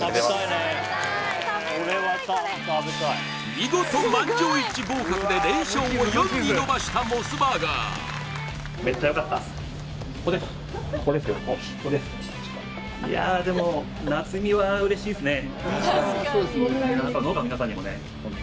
見事満場一致合格で連勝を４に伸ばしたモスバーガーいやでも菜摘そうですね